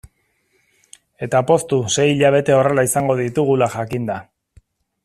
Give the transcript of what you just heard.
Eta poztu sei hilabete horrela izango ditugula jakinda.